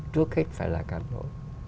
trước hết phải là cán bộ